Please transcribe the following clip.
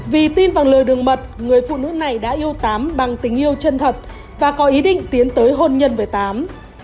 vì tin vào lời đường mật người phụ nữ này đã yêu tám bằng tình yêu chân thật và có ý định tiến tới hôn nhân với tám